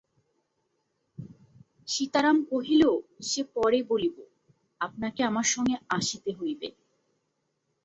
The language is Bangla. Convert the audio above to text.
সীতারাম কহিল, সে পরে বলিব, আপনাকে আমার সঙ্গে আসিতে হইবে।